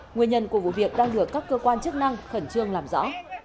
nguyên nhân của vụ việc đang được các cơ quan chức năng khẩn trương làm rõ